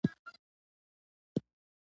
دریڅې د وینې د بیرته ګرځیدلو مخه نیسي.